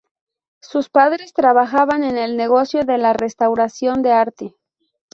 Sus padres trabajaban en el negocio de la restauración de arte.